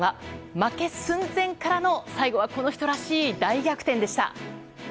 負け寸前からの最後はこの人らしい大逆転でした。